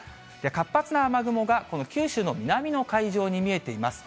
活発な雨雲がこの九州の南の海上に見えています。